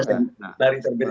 itu yang juga terlihat